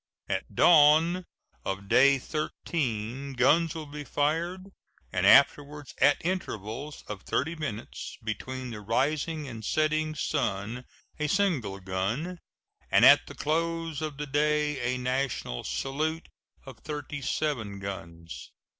At dawn of day thirteen guns will be fired, and afterwards at intervals of thirty minutes between the rising and setting sun a single gun, and at the close of the day a national salute of thirty seven guns.